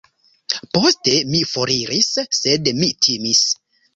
Poste mi foriris, sed mi timis.